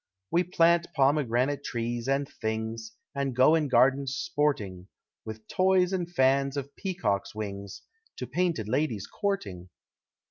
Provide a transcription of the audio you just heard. We plant pomegranate trees and things, And go in gardens sporting, With toys and fans of peacocks' wings, To painted ladies courting.